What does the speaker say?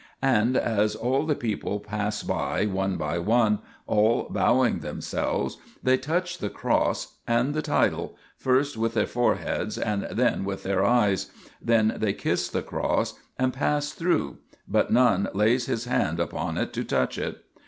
And as all the people pass by one by one, all bowing themselves, they touch the Cross and the title, first with their foreheads and then with their eyes ; then they kiss the Cross and pass through, but none lays his hand upon it to touch it.